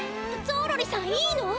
ゾーロリさんいいの？